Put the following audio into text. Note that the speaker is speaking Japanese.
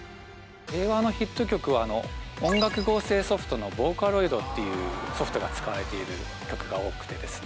令和のヒット曲はあの音楽合成ソフトのボーカロイドっていうソフトが使われている曲が多くてですね